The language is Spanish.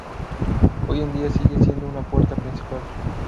Hoy en día sigue siendo una puerta principal.